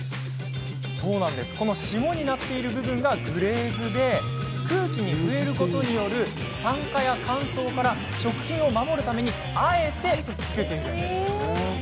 この霜になっている部分がグレーズで空気に触れることによる酸化や乾燥から食品を守るためにあえてつけているんです。